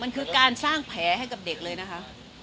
มันคือการสร้างแผลให้กับเด็กเลยนะคะ